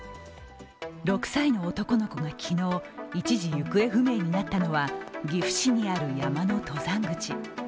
６歳の男の子が昨日、一時行方不明になったのは岐阜市にある山の登山口。